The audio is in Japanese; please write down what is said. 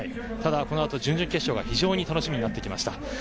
ただ、このあと準々決勝が非常に楽しみになってきました。